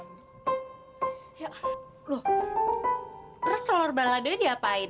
ya loh terus telur balado ini diapain